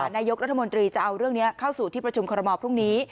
นายกรัฐมนตรีจะเอาเรื่องนี้เข้าสู่ที่ประชุมคอรมอลพรุ่งนี้